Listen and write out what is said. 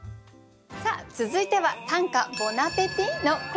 さあ続いては「短歌ボナペティ」のコーナーです。